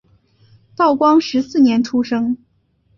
道光十四年出生。